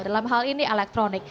dalam hal ini elektronik